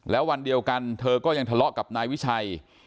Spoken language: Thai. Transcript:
แล้ววันเดียวกันเธอก็ยังทะเลาะกับนายวิชัย